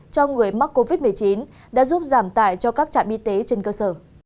cho người mắc covid một mươi chín đã giúp giảm tải cho các trạm y tế trên cơ sở